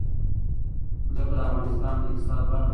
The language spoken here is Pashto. ځمکه د افغانستان د اقتصاد برخه ده.